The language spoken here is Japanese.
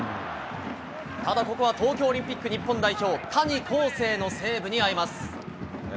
ただここは、東京オリンピック日本代表、谷晃生のセーブにあいます。